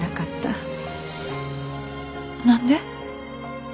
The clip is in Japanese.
何で？